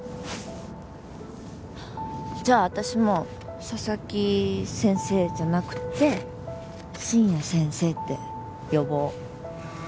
じゃあ私も佐々木先生じゃなくて深夜先生って呼ぼう。